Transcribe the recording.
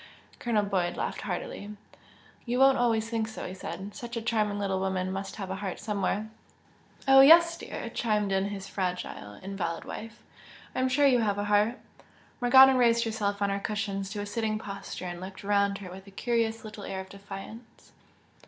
Colonel Boyd laughed heartily. "You won't always think so!" he said "Such a charming little woman must have a heart somewhere!" "Oh, yes, dear!" chimed in his fragile invalid wife, "I am sure you have a heart!" Morgana raised herself on her cushions to a sitting posture and looked round her with a curious little air or defiance.